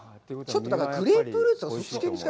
ちょっとだから、グレープフルーツとかそっちに近い。